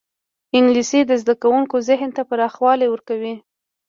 انګلیسي د زدهکوونکو ذهن ته پراخوالی ورکوي